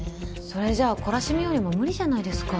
それじゃあ懲らしめようにも無理じゃないですか。